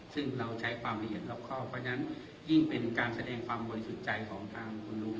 ซึ่งเราใช้ความละเอียดรอบครอบเพราะฉะนั้นยิ่งเป็นการแสดงความบริสุทธิ์ใจของทางคุณลุง